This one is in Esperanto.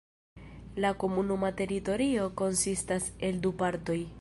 La komunuma teritorio konsistas el du partoj.